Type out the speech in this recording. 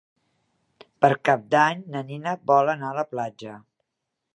Per Cap d'Any na Nina vol anar a la platja.